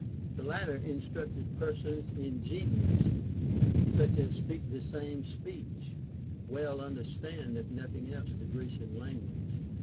The latter instructed persons ingen uous, such as speak the same speech, well understanding (if nothing else) the Grecian language.